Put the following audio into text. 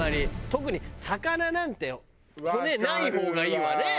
特に魚なんて骨ない方がいいわね。